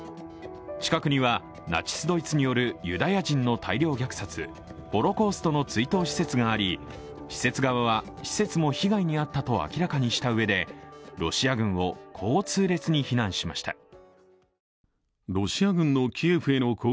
近くにはナチスドイツによるユダヤ人の大量虐殺、ホロコーストの追悼施設があり施設側は施設も被害にあったと明らかにしたうえでこう痛烈に非難しました。